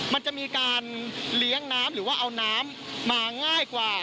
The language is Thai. มันจะมีการเลี้ยงน้ำหรือว่าเอาน้ำมาง่ายกว่า